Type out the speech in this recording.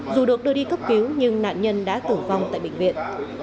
dù được đưa đi cấp cứu nhưng nạn nhân đã tử vong tại bệnh viện